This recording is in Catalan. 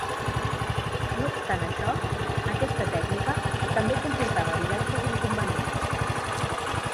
No obstant això, aquesta tècnica també comportava diversos inconvenients.